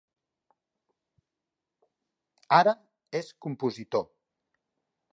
Ara és compositor.